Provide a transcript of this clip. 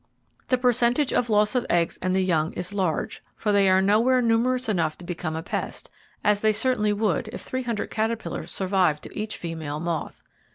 The percentage of loss of eggs and the young is large, for they are nowhere numerous enough to become a pest, as they certainly would if three hundred caterpillars survived to each female moth.